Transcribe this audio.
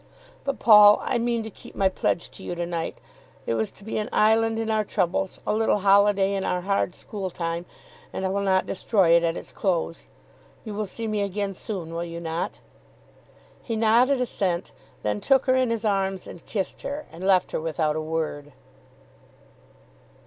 "But Paul, I mean to keep my pledge to you to night. It was to be an island in our troubles, a little holiday in our hard school time, and I will not destroy it at its close. You will see me again soon, will you not?" He nodded assent, then took her in his arms and kissed her, and left her without a word.